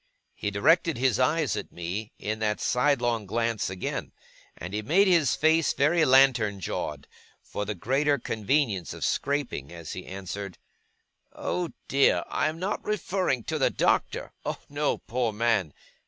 He directed his eyes at me in that sidelong glance again, and he made his face very lantern jawed, for the greater convenience of scraping, as he answered: 'Oh dear, I am not referring to the Doctor! Oh no, poor man!